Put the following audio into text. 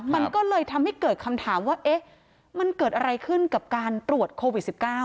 มันก็เลยทำให้เกิดคำถามว่าเอ๊ะมันเกิดอะไรขึ้นกับการตรวจโควิด๑๙